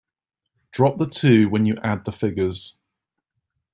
Drop the two when you add the figures.